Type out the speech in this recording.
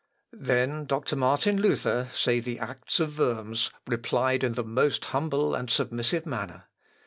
"Then doctor Martin Luther," say the Acts of Worms, "replied in the most humble and submissive manner.